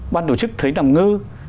bác tổ chức thấy nằm ngư